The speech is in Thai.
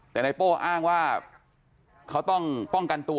แต่นายโป้อ้างว่าเขาต้องป้องกันตัว